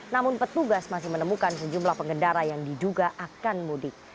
namun petugas masih menemukan sejumlah pengendara yang diduga akan mudik